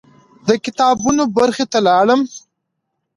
د کتابونو برخې ته لاړم.